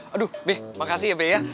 aduh beh makasih ya be ya